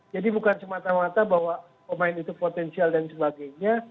jadi bukan semata mata bahwa pemain itu potensial dan sebagainya